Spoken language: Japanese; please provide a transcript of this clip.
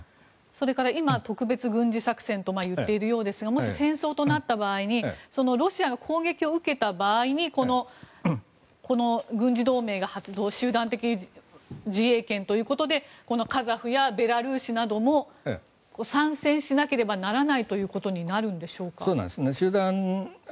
それから今特別軍事作戦と言っているようですがもし、戦争となった場合にロシアが攻撃を受けた場合にこの軍事同盟が発動集団的自衛権ということでカザフやベラルーシなども参戦しなければならないということになるんでしょうか？